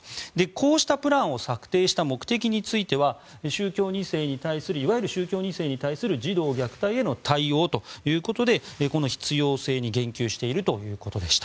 こうしたプランを策定した目的についてはいわゆる宗教２世に対する児童虐待への対応ということで必要性に言及しているということでした。